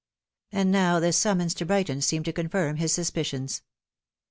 And now this summons to Brighton seemed to confirm his suspicions.